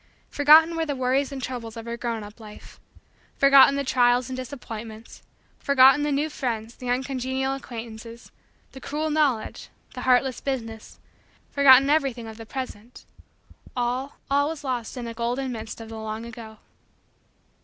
Forgotten were the worries and troubles of her grown up life forgotten the trials and disappointments forgotten the new friends, the uncongenial acquaintances, the cruel knowledge, the heartless business forgotten everything of the present all, all, was lost in a golden mist of the long ago.